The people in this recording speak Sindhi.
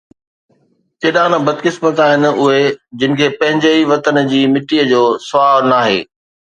ڪيڏا بدقسمت آهن اُهي جن کي پنهنجي ئي وطن جي مٽيءَ جو سُهاءُ ناهي